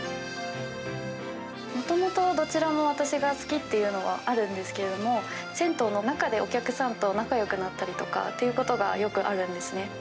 もともと、どちらも私が好きっていうのはあるんですけども、銭湯の中でお客さんと仲よくなったりということがよくあるんですね。